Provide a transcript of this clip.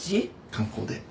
観光で。